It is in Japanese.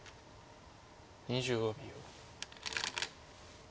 ２５秒。